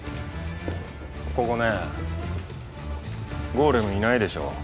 ここねゴーレムいないでしょ。